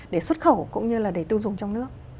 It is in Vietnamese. để xuất khẩu cũng như là để tiêu dùng trong nước